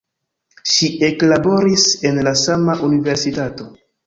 Ŝi eklaboris en la sama universitato.